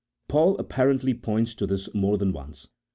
Paul appa rently points to this more than once (e.